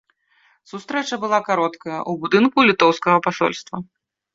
Сустрэча была кароткая, у будынку літоўскага пасольства.